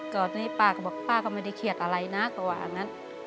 ตอนนี้ป้าก็บอกป้าก็ไม่ได้เครียดอะไรนะก็ว่าอันนั้น